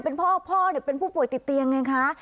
เป็นพ่อพ่อเป็นผู้ป่วยติดเตียงไงคะ